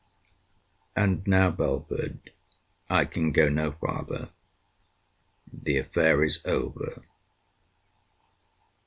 And now, Belford, I can go no farther. The affair is over.